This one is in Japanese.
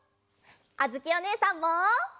あづきおねえさんも。